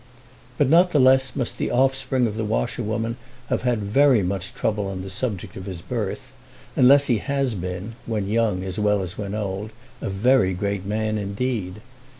But not the less must the offspring of the washerwoman have had very much trouble on the subject of his birth, unless he has been, when young as well as when old, a very great man indeed.